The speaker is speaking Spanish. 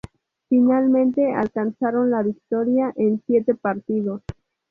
Finalmente alcanzaron la victoria en siete partidos.